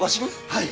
はい。